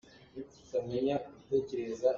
Na chim ngam ahcun chim ko ngat!